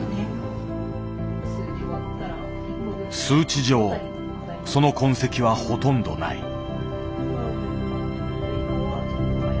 数値上その痕跡はほとんどない。